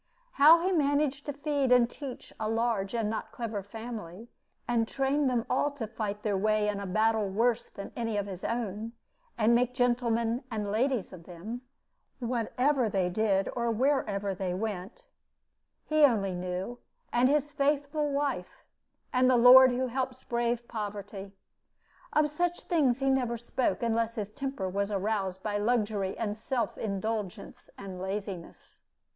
How he managed to feed and teach a large and not clever family, and train them all to fight their way in a battle worse than any of his own, and make gentlemen and ladies of them, whatever they did or wherever they went, he only knew, and his faithful wife, and the Lord who helps brave poverty. Of such things he never spoke, unless his temper was aroused by luxury and self indulgence and laziness.